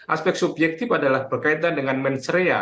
aspek subjektif adalah berkaitan dengan mensrea